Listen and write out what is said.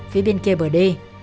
phía bên kia bởi đi